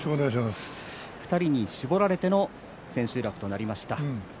２人に絞られての千秋楽となりました。